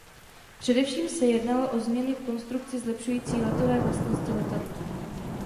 Především se jednalo o změny v konstrukci zlepšující letové vlastnosti letadla.